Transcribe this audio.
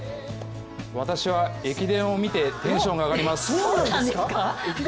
私は駅伝を見てテンションが上がります！